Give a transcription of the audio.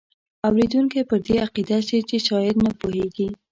اوریدونکی پر دې عقیده شي چې شاعر نه پوهیږي.